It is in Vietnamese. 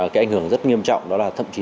cái ảnh hưởng rất nghiêm trọng đó là thậm chí